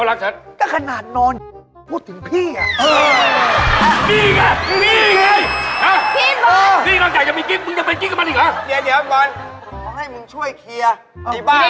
โอ้โหเขาน่าเหียวงวดวันจะเทียบสิ